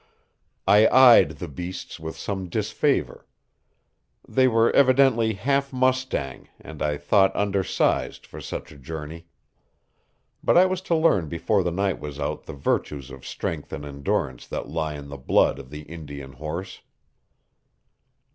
I eyed the beasts with some disfavor. They were evidently half mustang, and I thought undersized for such a journey. But I was to learn before the night was out the virtues of strength and endurance that lie in the blood of the Indian horse.